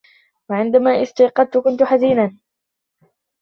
وعندما استيقظت ، كنت حزينا.